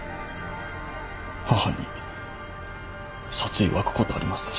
母に殺意湧くことありますから。